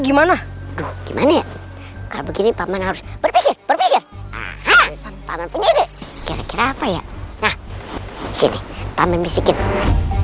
gimana gimana kalau begini paman harus berpikir pikir kira kira apa ya sini paman bisikin